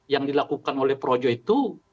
yang dilakukan oleh projo itu